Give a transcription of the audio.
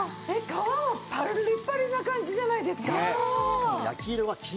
皮もパリパリな感じじゃないですか？